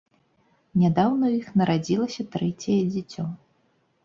Нядаўна ў іх нарадзілася трэцяе дзіцё.